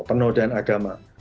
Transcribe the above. penuh dengan agama